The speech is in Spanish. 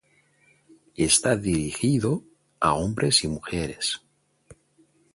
Está dirigido a hombres y mujeres.